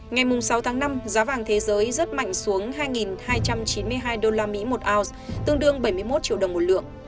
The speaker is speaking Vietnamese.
ngày sáu tháng năm giá vàng thế giới rất mạnh xuống hai hai trăm chín mươi hai usd một ounce tương đương bảy mươi một triệu đồng một lượng